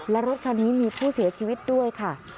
และรถคันนี้มีผู้เสียชีวิตด้วยค่ะ